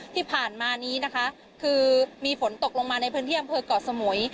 ที่ผ่านมานี้นะคะคือมีฝนตกลงมาในพื้นที่อำเภอกเกาะสมุย